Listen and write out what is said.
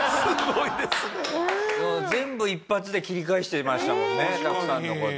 全部一発で切り返してましたもんね拓さんの事。